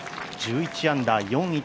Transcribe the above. １１アンダー４位